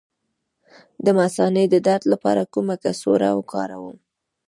د مثانې د درد لپاره کومه کڅوړه وکاروم؟